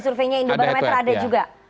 surveinya indobarometer ada juga